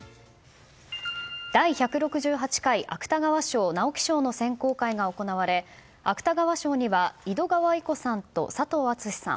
第１６８回芥川賞・直木賞の選考会が行われ芥川賞には井戸川射子さんと佐藤厚志さん。